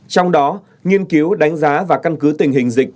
trong đó nghiên cứu đánh giá và căn cứ tình hình dịch